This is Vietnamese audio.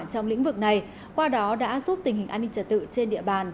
trong lĩnh vực này qua đó đã giúp tình hình an ninh trật tự trên địa bàn